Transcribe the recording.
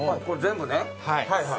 これ全部ね。